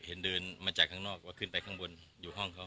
เดินมาจากข้างนอกว่าขึ้นไปข้างบนอยู่ห้องเขา